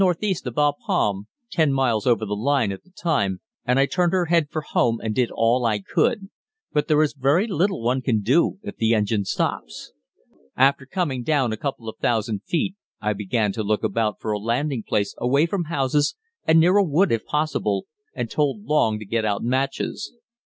E. of Bapaume, ten miles over the line, at the time, and I turned her head for home and did all I could; but there is very little one can do if the engine stops. After coming down a couple of thousand feet I began to look about for a landing place away from houses and near a wood if possible, and told Long to get out matches.